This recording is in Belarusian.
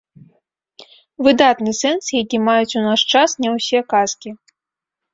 Выдатны сэнс, які маюць у наш час не усе казкі.